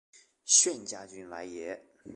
炫家军来也！